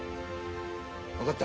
分かった。